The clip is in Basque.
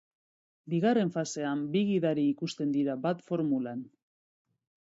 Bigarren fasean, bi gidari ikusten dira bat formulan.